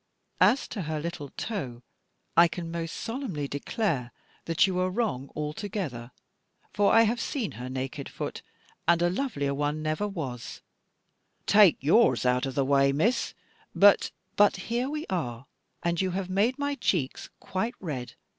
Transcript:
As to her little toe, I can most solemnly declare that you are wrong altogether; for I have seen her naked foot, and a lovelier one never was " "Take yours out of the way, Miss. But " "But here we are; and you have made my cheeks quite red!